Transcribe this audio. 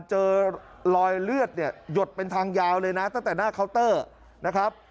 เจอรอยเลือดเนี่ยหยดเป็นทางยาวเลยนะตั้งแต่หน้าเคาน์เตอร์นะครับ